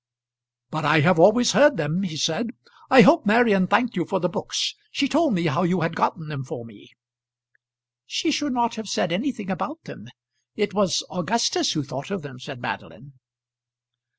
"But I have always heard them," he said. "I hope Marian thanked you for the books. She told me how you had gotten them for me." "She should not have said anything about them; it was Augustus who thought of them," said Madeline.